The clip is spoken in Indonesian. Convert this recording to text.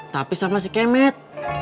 tapi sama si kemet